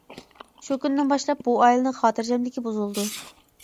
شۇ كۈندىن باشلاپ بۇ ئائىلىنىڭ خاتىرجەملىكى بۇزۇلىدۇ.